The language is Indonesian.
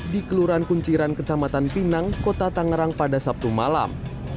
di kelurahan kunciran kecamatan pinang kota tangerang pada sabtu malam